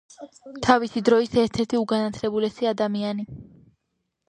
თავისი დროის ერთ-ერთი უგანათლებულესი ადამიანი.